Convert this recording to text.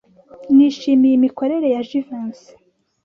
Nishimiye imikorere ya Jivency.